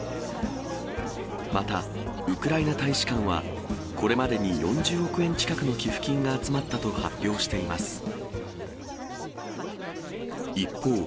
またウクライナ大使館は、これまでに４０億円近くの寄付金が集まったと発表しています。